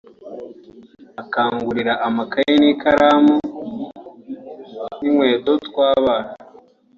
akangurira amakayi n’ikaramu n’inkweto twabana